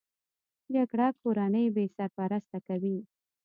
جګړه کورنۍ بې سرپرسته کوي